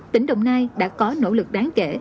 tỉnh đồng nai đã có nỗ lực đáng kể